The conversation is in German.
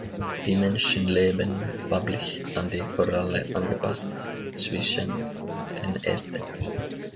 Die Männchen leben, farblich an die Koralle angepasst, zwischen den Ästen.